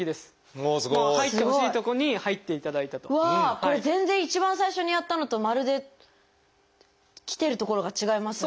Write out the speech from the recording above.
これ全然一番最初にやったのとまるできてる所が違いますね。